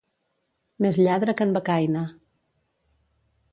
Més lladre que en Becaina.